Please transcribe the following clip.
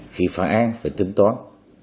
khi phản án phải tính toán